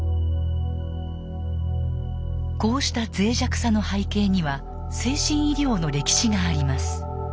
こうしたぜい弱さの背景には精神医療の歴史があります。